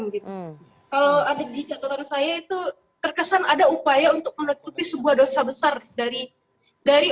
gitu kalau ada di catatan saya itu terkesan ada upaya untuk menutupi sebuah dosa besar dari dari